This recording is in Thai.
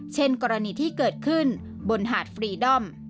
กรณีที่เกิดขึ้นบนหาดฟรีดอม